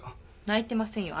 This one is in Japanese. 泣いてませんよ。